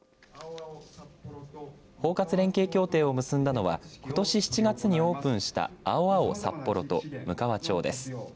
包括連携協定を結んだのはことし７月にオープンしたＡＯＡＯＳＡＰＰＯＲＯとむかわ町です。